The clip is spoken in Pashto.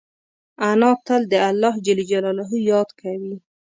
انا تل د الله یاد کوي